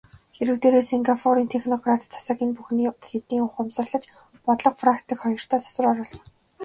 Хэрэг дээрээ Сингапурын технократ засаг энэ бүхнийг хэдийн ухамсарлаж бодлого, практик хоёртоо засвар оруулсан.